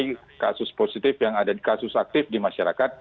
tetapi kasus positif yang ada dan kasus aktif di misyarat cukup terkendali